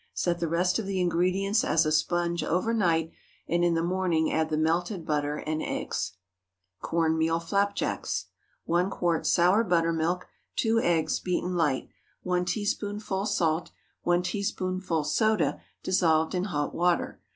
Set the rest of the ingredients as a sponge over night, and in the morning add the melted butter and eggs. CORN MEAL FLAPJACKS. 1 quart sour buttermilk. 2 eggs, beaten light. 1 teaspoonful salt. 1 teaspoonful soda dissolved in hot water.